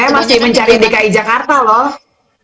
saya masih mencari dki jakarta loh